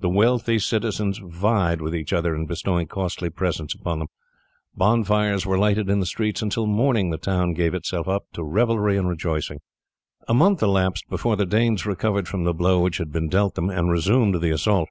The wealthy citizens vied with each other in bestowing costly presents upon them, bonfires were lighted in the streets, and till morning the town gave itself up to revelry and rejoicing. A month elapsed before the Danes recovered from the blow which had been dealt them and resumed the assault.